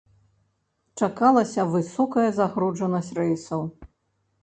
Чакалася высокая загружанасць рэйсаў.